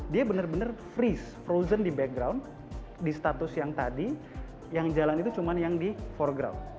dia benar benar freeze frozen di background di status yang tadi yang jalan itu cuma yang di for ground